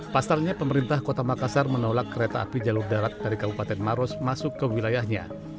pasalnya pemerintah kota makassar menolak kereta api jalur darat dari kabupaten maros masuk ke wilayahnya